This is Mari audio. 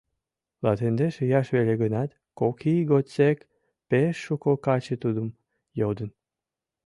Латиндеш ияш веле гынат, кок ий годсек пеш шуко каче тудым йодын.